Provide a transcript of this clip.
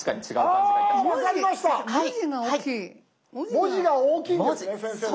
文字が大きいんですね先生のは。